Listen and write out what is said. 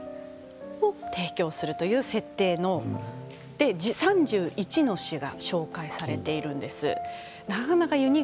それを提供するという設定の３１の詩が紹介されています。